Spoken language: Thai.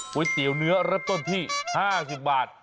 ก๋วยเตี๋ยวเนื้อรับต้นที่๕๐บาท